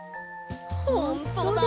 ほんとだ。